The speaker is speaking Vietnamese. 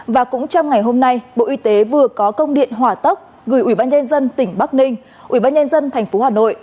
và cũng trong ngày hôm nay bộ y tế vừa có công điện hỏa tốc gửi ubnd tỉnh bắc ninh ubnd tp hà nội